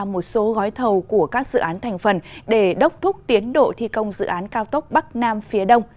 một số gói thầu của các dự án thành phần để đốc thúc tiến độ thi công dự án cao tốc bắc nam phía đông